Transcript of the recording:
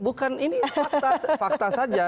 bukan ini fakta saja